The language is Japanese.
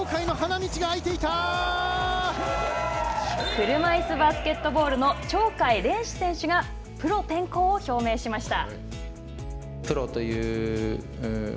車いすバスケットボールの鳥海連志選手がプロ転向を表明しました。